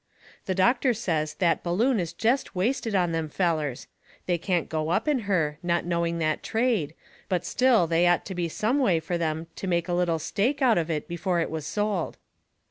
The doctor says that balloon is jest wasted on them fellers. They can't go up in her, not knowing that trade, but still they ought to be some way fur them to make a little stake out of it before it was sold.